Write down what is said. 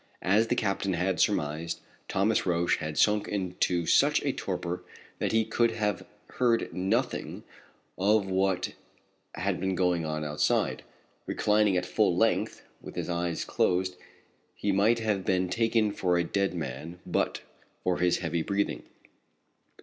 As the captain had surmised, Thomas Roch had sunk into such a torpor that he could have heard nothing of what had been going on outside. Reclining at full length, with his eyes closed, he might have been taken for a dead man but for his heavy breathing.